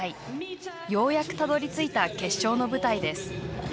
ようやく、たどりついた決勝の舞台です。